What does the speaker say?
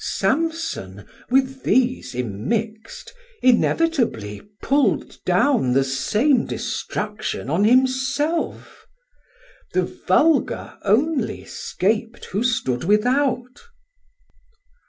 Samson with these immixt, inevitably Pulld down the same destruction on himself; The vulgar only scap'd who stood without.